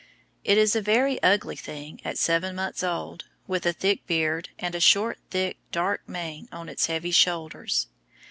It is a very ugly thing at seven months old, with a thick beard, and a short, thick, dark mane on its heavy shoulders.